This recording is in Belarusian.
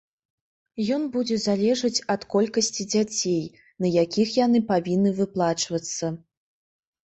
Ён будзе залежаць ад колькасці дзяцей, на якіх яны павінны выплачвацца.